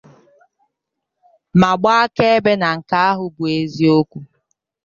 ma gbaa akaebe na nke ahụ bụ eziokwu